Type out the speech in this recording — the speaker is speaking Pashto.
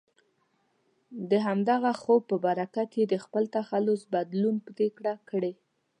د همدغه خوب په برکت یې د خپل تخلص بدلون پرېکړه کړې.